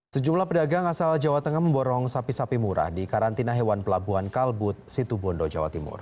sejumlah pedagang asal jawa tengah memborong sapi sapi murah di karantina hewan pelabuhan kalbut situbondo jawa timur